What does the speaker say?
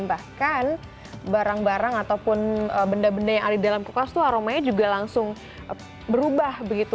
bahkan barang barang ataupun benda benda yang ada di dalam kulkas itu aromanya juga langsung berubah begitu